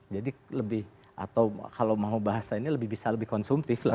jadi lebih atau kalau mau bahas lainnya lebih bisa lebih konsumtif